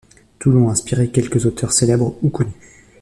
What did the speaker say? Toulon a inspiré quelques auteurs célèbres ou connus.